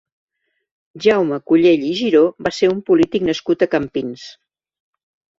Jaume Cullell i Giró va ser un polític nascut a Campins.